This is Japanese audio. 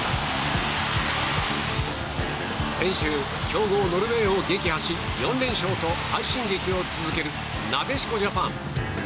先週、強豪ノルウェーを撃破し４連勝と快進撃を続けるなでしこジャパン。